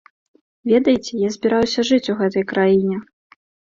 Ведаеце, я збіраюся жыць у гэтай краіне.